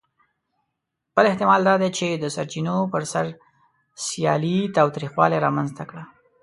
بل احتمال دا دی، چې د سرچینو پر سر سیالي تاوتریخوالي رامنځ ته کړه.